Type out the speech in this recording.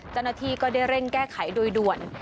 จรณาทีก็ได้เร่งแก้ไขโดยด่วน